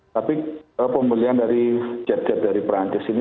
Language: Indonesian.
tapi pembelian dari jet jet dari perancis ini